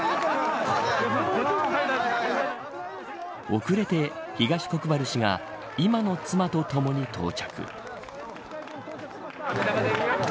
遅れて、東国原氏が今の妻とともに到着。